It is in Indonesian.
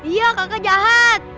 iya kakak jahat